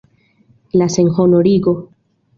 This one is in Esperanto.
La senhonorigo!